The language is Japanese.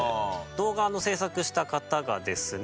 動画の制作した方がですね